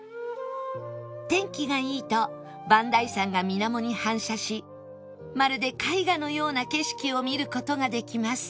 天気がいいと磐梯山が水面に反射しまるで絵画のような景色を見る事ができます